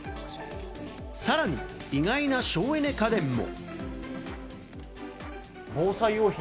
さらに意外な省エネ家電も。